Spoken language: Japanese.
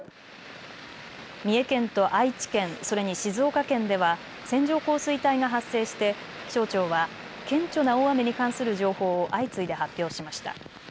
三重県と愛知県それに静岡県では線状降水帯が発生して気象庁は顕著な大雨に関する情報を相次いで発表しました。